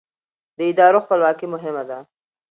د ادارو خپلواکي مهمه ده